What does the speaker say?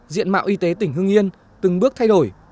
diện mạo y tế tỉnh hưng yên từng bước thay đổi